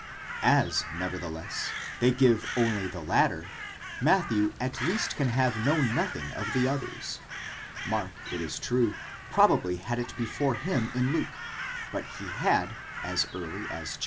As nevertheless they give only the latter, Matthew at least can have known nothing of the others ; Mark, it is true, probably had it before him in Luke, but he had, as early as iii.